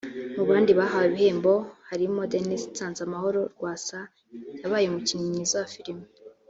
Mu bandi bahawe ibihembo harimo Denis Nsanzamahoro [Rwasa] yabaye umukinnyi mwiza wa filime